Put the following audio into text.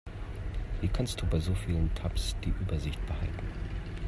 Wie kannst du bei so vielen Tabs die Übersicht behalten?